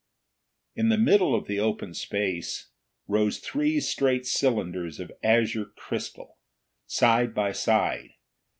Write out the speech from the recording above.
In the middle of the open space, rose three straight cylinders of azure crystal, side by side.